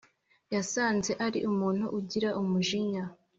yasanze ari umuntu ugira umujinya